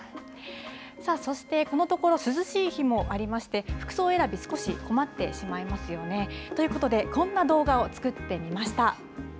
さあそして、このところ涼しい日もありまして、服装選び、少し困ってしまいますよね。ということで、こんな動画を作ってみました。